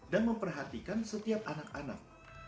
dan memperhatikan setiap anak anak